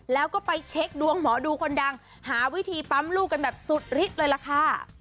แล้วก็ไปเช็คดวงหมอดูคนดังหาวิธีปั๊มลูกกันแบบสุดฤทธิ์เลยล่ะค่ะ